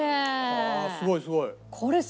はあすごいすごい。